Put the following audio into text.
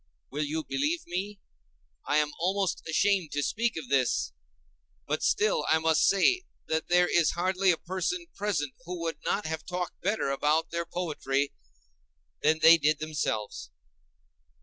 Will you believe me? I am almost ashamed to speak of this, but still I must say that there is hardly a person present who would not have talked better about their poetry than they did themselves.